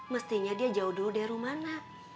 mestinya dia jauh dulu deh rumana